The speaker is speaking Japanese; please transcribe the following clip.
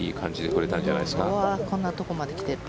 こんなところまで来てる。